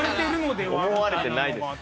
思われてないです。